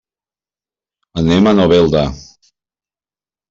Anem a Novelda.